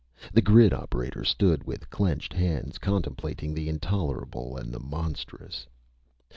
The grid operator stood with clenched hands, contemplating the intolerable and the monstrous.